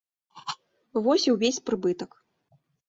Вось і ўвесь прыбытак.